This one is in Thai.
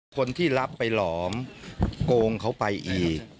คนที่รับไปหลอมโกงเขาไปอีก